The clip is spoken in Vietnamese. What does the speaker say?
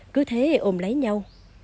cứ thế ôm lấy nhau